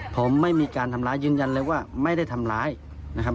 ผมไม่มีการทำร้ายยืนยันเลยว่าไม่ได้ทำร้ายนะครับ